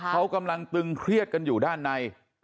เขากำลังตึงเครียดกันอยู่ด้านใน